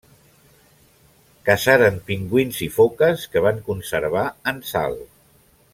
Caçaren pingüins i foques que van conservar en sal.